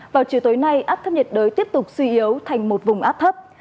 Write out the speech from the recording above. vào chiều tối nay áp thấp nhiệt đới tiếp tục suy yếu thành một vùng áp thấp